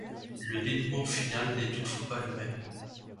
Le dénouement final n'est toutefois pas le même.